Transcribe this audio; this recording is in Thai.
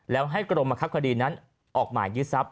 แล้วให้กรมบังคับคดีนั้นออกหมายยึดทรัพย